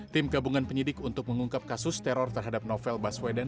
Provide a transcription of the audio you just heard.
tim gabungan penyidik untuk mengungkap kasus teror terhadap novel baswedan